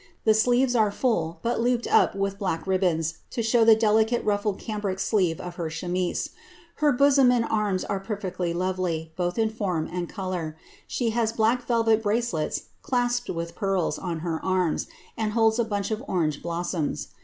The sleeves arc full, but looped up with black ribbons, to show the delicate ru filed cambric sleeve of her chemise. Her bosom and arms ire perfectly lovely, both in form and colour. She has black velvet brace lets, clasped with pearls, on her arms, and holds a bunch of orange blossoms.